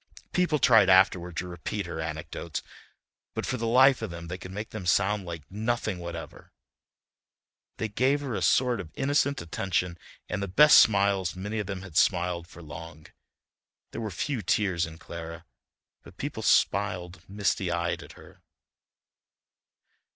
People tried afterward to repeat her anecdotes but for the life of them they could make them sound like nothing whatever. They gave her a sort of innocent attention and the best smiles many of them had smiled for long; there were few tears in Clara, but people smiled misty eyed at her.